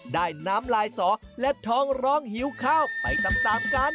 ได้น้ำลายสอและท้องร้องหิวข้าวไปตามกัน